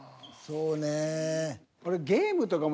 そうねぇ。